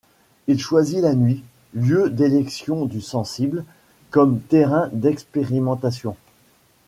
Il choisit la nuit, lieu d’élection du sensible, comme terrain d’expérimentation.